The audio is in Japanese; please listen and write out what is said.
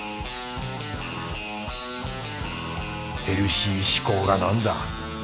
ヘルシー志向がなんだ。